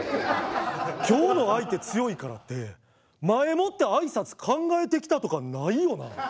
今日の相手強いからって前もって挨拶考えてきたとかないよな？